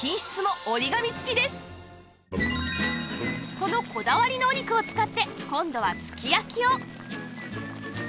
そのこだわりのお肉を使って今度はすき焼きを！